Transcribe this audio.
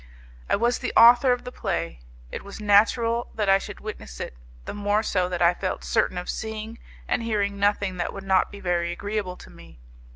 I was the author of the play; it was natural that I should witness it, the more so that I felt certain of seeing and hearing nothing that would not be very agreeable to me.